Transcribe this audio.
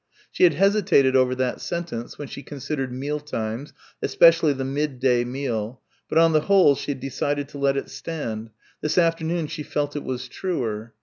She had hesitated over that sentence when she considered meal times, especially the midday meal, but on the whole she had decided to let it stand this afternoon she felt it was truer.